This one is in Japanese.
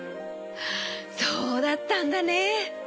そうだったんだね。